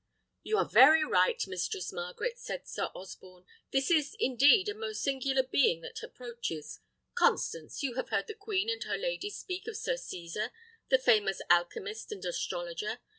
"You are very right, Mistress Margaret," said Sir Osborne; "this is, indeed, a most singular being that approaches. Constance, you have heard the queen and her ladies speak of Sir Cesar, the famous alchymist and astrologer.